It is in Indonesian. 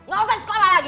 gak usah sekolah lagi